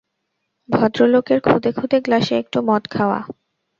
ভদ্রলোকের খুদে খুদে গ্লাসে একটু মদ খাওয়া।